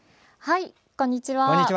こんにちは。